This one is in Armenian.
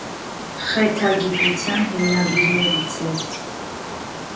Խեթագիտության հիմնադիրներից է։